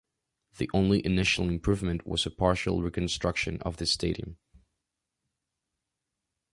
The only initial improvement was a partial reconstruction of the stadium.